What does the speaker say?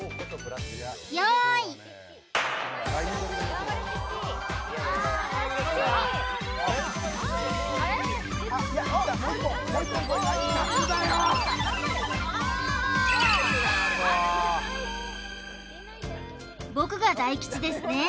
用意僕が大吉ですね